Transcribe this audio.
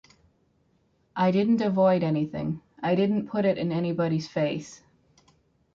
I didn't avoid anything, I didn't put it in anybody's face.